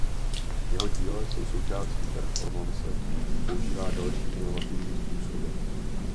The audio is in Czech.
Jeho díla jsou součástí performance a používá další inovativní způsoby.